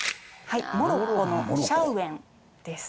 モロッコのシャウエンです。